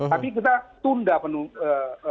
tapi kita tunda penuh